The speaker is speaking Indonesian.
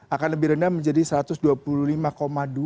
dua puluh lima akan lebih rendah menjadi satu ratus dua puluh lima dua pak